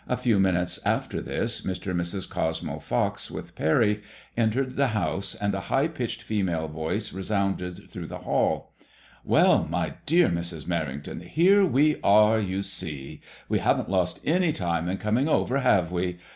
A few minutes after this Mr. and Mrs. Cosmo Pox, with Parry, entered the house, and a high pitched female voice re sounded through the hall. "Well, my dear Mrs. Mer rington, here we are, you see. We haven't lost any time in coming over, have we?